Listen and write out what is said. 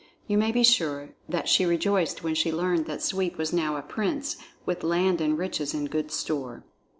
You may be sure that she rejoiced when she learned that Sweep was now a prince with land and riches in good store.